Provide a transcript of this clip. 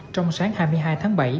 trong sáng hai mươi hai tháng bảy